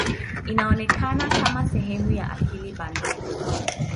Inaonekana kama sehemu ya akili bandia.